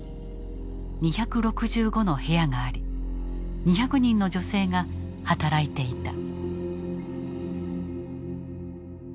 ２６５の部屋があり２００人の女性が働いていた。